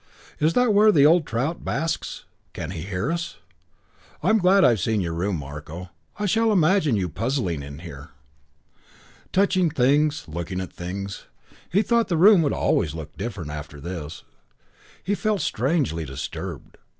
Is that where the old trout basks? Can he hear us? I'm glad I've seen your room, Marko. I shall imagine you puzzling in here." Touching things, looking at things.... He thought the room would always look different after this. He felt strangely disturbed.